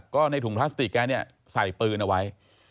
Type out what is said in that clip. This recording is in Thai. ก็ในถุงพลาสติกแกเนี่ยใส่ปืนเอาไว้